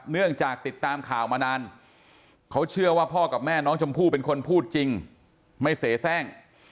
เนื่องจากติดตามข่าวมานานเขาเชื่อว่าพ่อกับแม่น้องชมพู่เป็นคนพูดจริงไม่เสียแทร่ง